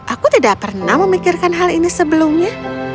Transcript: aku tidak pernah memikirkan hal ini sebelumnya